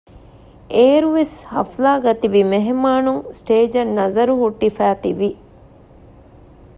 އޭރުވެސް ހަފްލާގައި ތިބި މެހެމާނުން ސްޓޭޖަށް ނަޒަރު ހުއްޓިފައި ތިވި